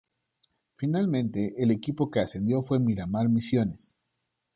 Finalmente el equipo que ascendió fue Miramar Misiones.